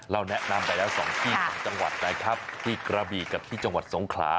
แนะนำไปแล้ว๒ที่ของจังหวัดนะครับที่กระบีกับที่จังหวัดสงขลา